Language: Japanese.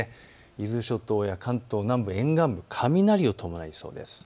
伊豆諸島や関東南部、沿岸部雷を伴いそうです。